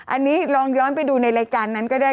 อันนี้ลองย้อนไปดูในรายการนั้นก็ได้